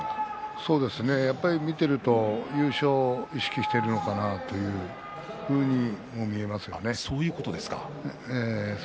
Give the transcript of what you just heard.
そうですね、見ていると優勝を意識しているのかなとそういうふうに見えます。